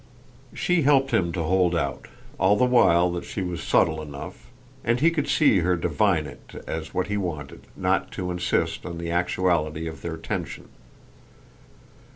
She helped him to hold out, all the while that she was subtle enough and he could see her divine it as what he wanted not to insist on the actuality of their tension.